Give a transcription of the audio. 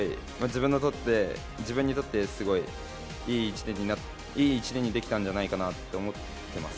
自分にとってすごい、いい１年にできたんじゃないかと思ってます。